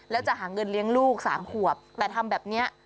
แล้วจะหาเงินเลี้ยงลูก๓ขวบแต่ทำแบบนี้